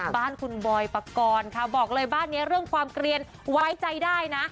บ้านคุณบอยปกรณ์ค่ะบอกเลยบ้านนี้เรื่องความเกลียนไว้ใจได้นะ